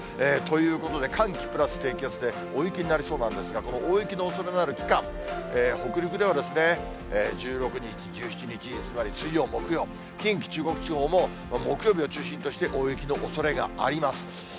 ということで、寒気プラス低気圧で大雪になりそうなんですが、この大雪のおそれのある期間、北陸では１６日、１７日、つまり水曜、木曜、近畿、中国地方も木曜日を中心として大雪のおそれがあります。